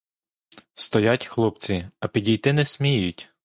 Стоять хлопці, а підійти не сміють.